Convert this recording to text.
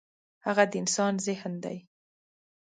هغه د انسان ذهن دی.